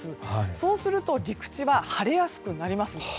そうすると陸地は晴れやすくなります。